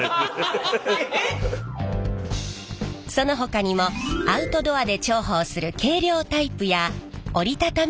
そのほかにもアウトドアで重宝する軽量タイプや折りたたみタイプ。